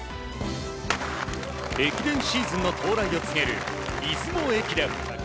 駅伝シーズンの到来を告げる出雲駅伝。